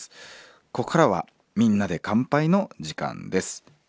ここからは「みんなで乾杯」の時間です。